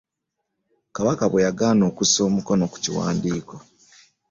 Kabaka bwe yagaana okussa omukono ku kiwandiiko.